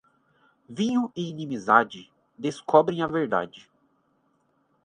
Vinho e inimizade descobrem a verdade.